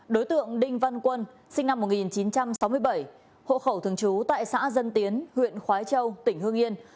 đối tượng đinh văn quân sinh năm một nghìn chín trăm sáu mươi bảy hộ khẩu thường trú tại xã dân tiến huyện khói châu tỉnh hương yên